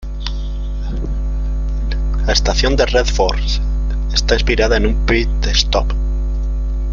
La estación de Red Force está inspirada en una pit stop.